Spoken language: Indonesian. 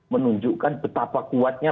menunjukkan betapa kuatnya